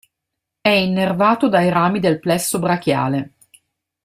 È innervato dai rami del plesso brachiale.